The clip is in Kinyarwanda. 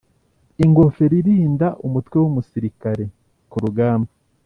ingofero irinda umutwe w umusirikare ku rugamba